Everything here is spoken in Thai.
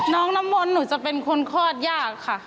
น้องน้ำมนต์หนูจะเป็นคนคลอดยากค่ะ